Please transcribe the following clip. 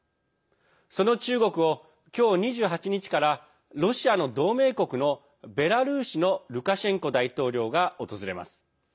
その中国を今日２８日からロシアの同盟国のベラルーシのルカシェンコ大統領が訪れます。